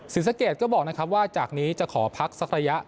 ศรีสะเกตก็บอกว่าจากนี้จะขอพักสักระยะ